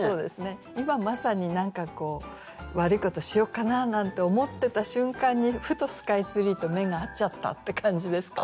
今まさに何か悪いことしよっかな？なんて思ってた瞬間にふとスカイツリーと目が合っちゃったって感じですかね。